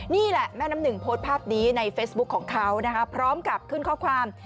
นี่แหละแม่น้ำหนึ่งโพสต์ภาพนี้ในเฟซบุ๊คของเขานะคะพร้อมกับขึ้นข้อความ